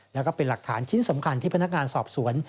แล้วก็เป็นหลักฐานชิ้นสำคัญที่พนักงานสอบสวน